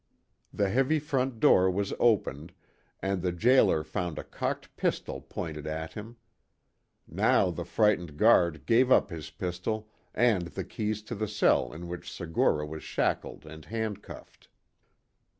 The heavy front door was opened, and the jailer found a cocked pistol pointed at him. Now the frightened guard gave up his pistol and the keys to the cell in which Segura was shackled and handcuffed.